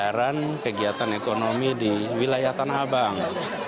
kesempatan untuk merasakan kegiatan ekonomi di wilayah tanah abang